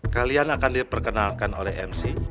kalian akan diperkenalkan oleh mc